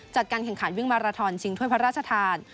จัดการแข่งขันวิ่งมาราทอนชิงถ้วยพระราชทาน